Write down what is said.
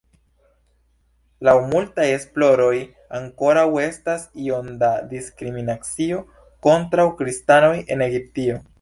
Laŭ multaj esploroj, ankoraŭ restas iom da diskriminacio kontraŭ kristanoj en Egiptio.